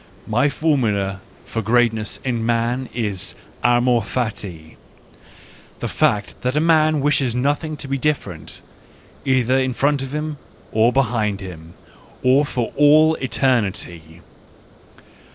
My formula for greatness in man isl amor fati: the fact that a man wishes nothing to be different, either in front of him or behind him, or for all eternity.